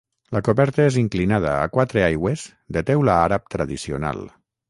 La coberta és inclinada a quatre aigües de teula àrab tradicional.